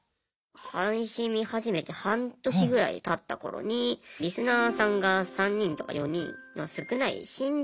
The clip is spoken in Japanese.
配信見始めて半年ぐらいたった頃にリスナーさんが３人とか４人の少ない新人のライバーさんの枠をですね